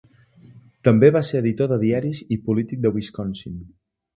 També va ser editor de diaris i polític de Wisconsin.